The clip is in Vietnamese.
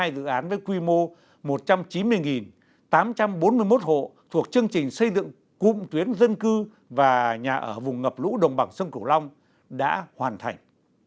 chín trăm tám mươi hai dự án với quy mô một trăm chín mươi tám trăm bốn mươi một hộ thuộc chương trình xây dựng cung tuyến dân cư và nhà ở vùng ngập lũ đồng bằng sân cổ long đã hoàn thành